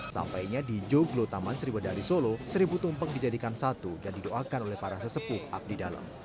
sampainya di joglo taman seribu dari solo seribu tumpang dijadikan satu dan didoakan oleh para sesepuh abdidalem